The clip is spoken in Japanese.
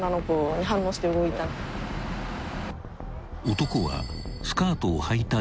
［男は］